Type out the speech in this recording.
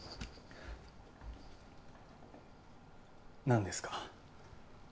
何ですか？